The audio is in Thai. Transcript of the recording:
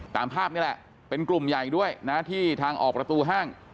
ตามภาพนี่แหละเป็นกลุ่มใหญ่ด้วยนะที่ทางออกประตูห้าง